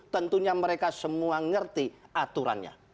tentunya mereka semua ngerti aturannya